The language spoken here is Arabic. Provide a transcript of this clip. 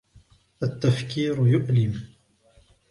التفكير يؤلم.